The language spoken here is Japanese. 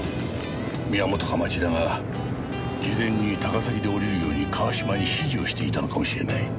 宮本か町田が事前に高崎で降りるように川島に指示をしていたのかもしれない。